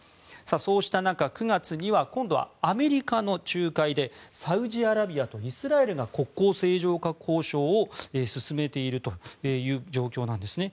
そうした中、９月には今度はアメリカの仲介でサウジアラビアとイスラエルが国交正常化交渉を進めているという状況なんです。